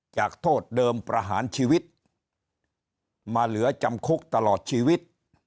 จากโทษเดิมประหารชีวิตมาเหลือจำคุกตลอดชีวิต